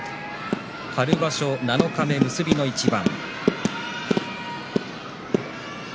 春場所七日目、結びの一番。